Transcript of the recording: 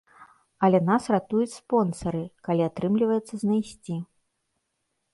Але нас ратуюць спонсары, калі атрымліваецца знайсці.